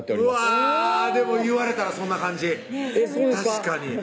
うわでも言われたらそんな感じそうですか？